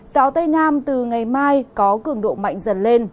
gió tây nam từ ngày mai có cường độ mạnh dần lên